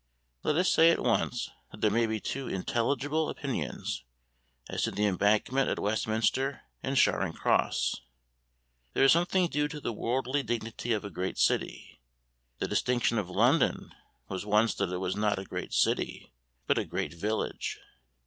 Let us say at once that there may be two intelligible opinions as to the Embankment at Westminster and Charing Cross. There is something due to the worldly dignity of a great city. The distinction of London was once that it was not a great city but a great village.